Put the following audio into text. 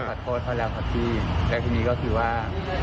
ผมได้ขอโทษเขาแล้วค่ะพี่และทีนี้ก็คือว่า